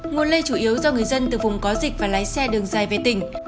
nguồn lây chủ yếu do người dân từ vùng có dịch và lái xe đường dài về tỉnh